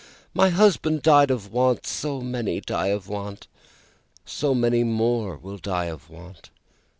My husband died of want; so many die of want; so many more will die of want."